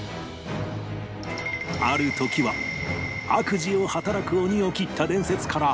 ある時は悪事を働く鬼を斬った伝説から